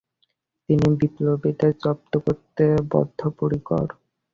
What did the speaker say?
তিনি বিপ্লবীদের জব্দ করতে বদ্ধপরিকর।